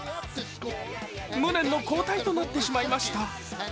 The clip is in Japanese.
無念の交代となってしまいました。